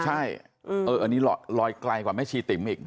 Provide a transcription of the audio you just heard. ใช่อันนี้ลอยไกลกว่าแม่ชีติ๋มอีก